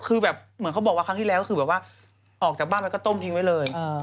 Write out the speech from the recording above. คือเหมือนเขาบอกว่าครั้งที่แล้วออกจากบ้านแล้วก็ต้มทิ้งไว้เลย